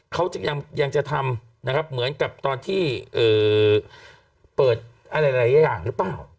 เขาจึงยังจะทำนะครับเหมือนกับตอนที่เปิดอะไรหลายอย่างหรือเปล่า